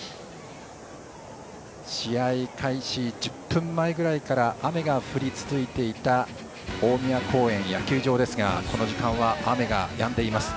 試合開始１０分前ぐらいから雨が降り続いていた大宮公園野球場ですがこの時間は雨がやんでいます。